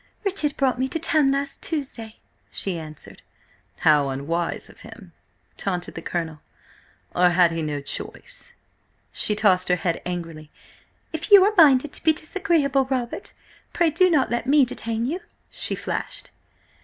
"Richard brought me to town last Tuesday," she answered. "How unwise of him!" taunted the Colonel. "Or had he no choice?" She tossed her head angrily. "If you are minded to be disagreeable, Robert, pray do not let me detain you!" she flashed.